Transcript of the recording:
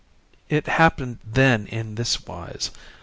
"It happened then in this wise.